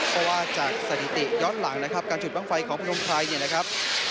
เพราะว่าจากสถิติย้อนหลังนะครับการจุดบ้างไฟของพนมไพรเนี่ยนะครับ